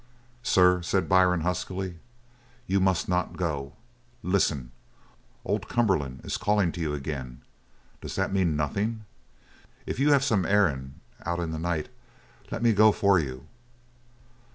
"Sir," said Byrne huskily, "you must not go! Listen! Old Cumberland is calling to you again! Does that mean nothing? If you have some errand out in the night, let me go for you."